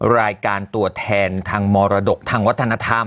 รายการตัวแทนทางวัฒนธรรม